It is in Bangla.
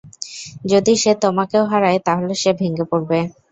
যদি সে তোমাকেও হারায়, তাহলে সে ভেঙে পরবে।